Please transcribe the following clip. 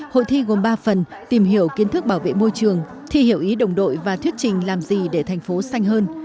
hội thi gồm ba phần tìm hiểu kiến thức bảo vệ môi trường thi hiểu ý đồng đội và thuyết trình làm gì để thành phố xanh hơn